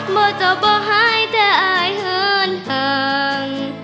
บ่จบ่หายใจเหินห่าง